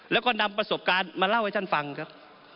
แล้วก็นำประสบการณ์มาเล่าให้ท่านฟังครับ